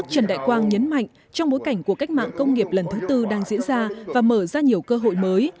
trần đại quang nhấn mạnh trong bối cảnh của cách mạng công nghiệp lần thứ tư đang diễn ra và mở ra nhiều cơ hội mới